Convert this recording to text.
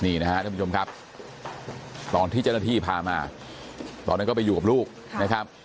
นี่นะครับท่านผู้ชมครับตอนที่เจ้าหน้าที่พามาตอนนั้นก็ไปอยู่กับลูกนะครับ